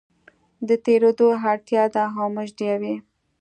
د تېرېدو اړتیا ده او موږ د یوې